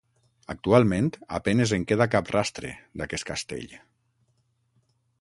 Actualment a penes en queda cap rastre, d'aquest castell.